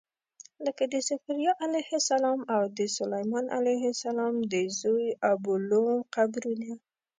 لکه د ذکریا علیه السلام او د سلیمان علیه السلام د زوی ابولوم قبرونه.